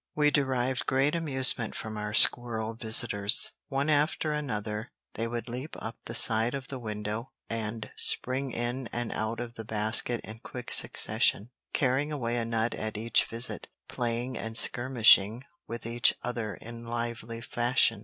We derived great amusement from our squirrel visitors; one after another they would leap up the side of the window and spring in and out of the basket in quick succession, carrying away a nut at each visit, playing and skirmishing with each other in lively fashion.